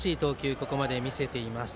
ここまで見せています。